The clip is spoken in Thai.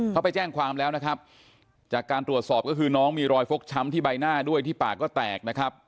เขาไปแจ้งความแล้วนะครับจากการตรวจสอบก็คือน้องมีรอยฟกช้ำที่ใบหน้าด้วยที่ปากก็แตกนะครับ